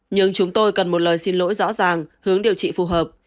nhưng chúng tôi cần một lời xin lỗi rõ ràng hướng điều trị phù hợp